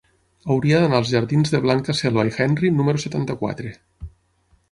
Hauria d'anar als jardins de Blanca Selva i Henry número setanta-quatre.